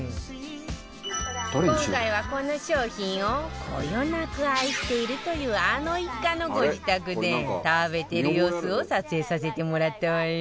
今回はこの商品をこよなく愛しているというあの一家のご自宅で食べてる様子を撮影させてもらったわよ